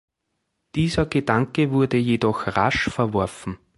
Dieser Gedanke wurde jedoch rasch verworfen.